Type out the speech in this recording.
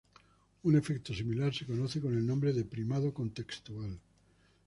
Un efecto similar se conoce con el nombre de primado contextual.